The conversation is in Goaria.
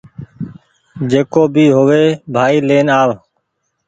جڪو بي هووي ڀآئي لين آو